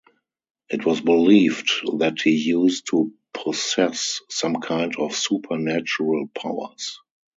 It was believed that he used to possess some kind of supernatural powers.